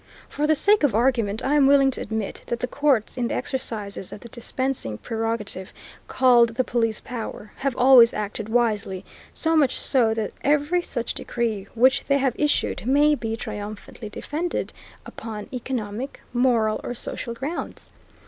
For the sake of argument I am willing to admit that the courts, in the exercise of the dispensing prerogative, called the Police Power, have always acted wisely, so much so that every such decree which they have issued may be triumphantly defended upon economic, moral, or social grounds.